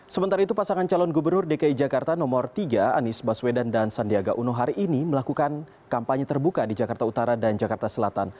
sementara itu pasangan calon gubernur dki jakarta nomor tiga anies baswedan dan sandiaga uno hari ini melakukan kampanye terbuka di jakarta utara dan jakarta selatan